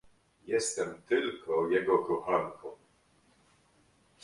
"jestem tylko jego kochanką."